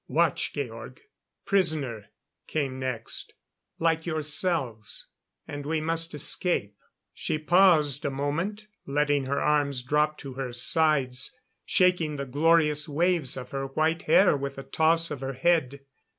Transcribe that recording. "Watch, Georg " "Prisoner " came next: "Like yourselves, and we must escape." She paused a moment, letting her arms drop to her sides, shaking the glorious waves of her white hair with a toss of her head.